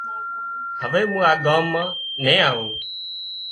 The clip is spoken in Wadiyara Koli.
هوي مُون آ ڳام مان نين آوون